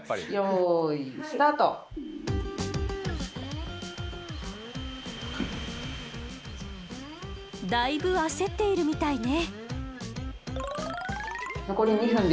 よいだいぶ焦っているみたいね。